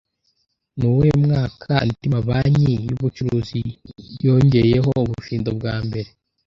Nuwuhe mwaka, andi mabanki yubucuruzi yongeyeho ubufindo bwa mbere